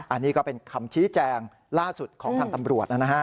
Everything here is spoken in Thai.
อันนี้ก็เป็นคำชี้แจงล่าสุดของทางตำรวจนะฮะ